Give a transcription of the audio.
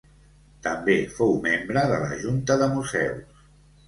També fou membre de la Junta de Museus.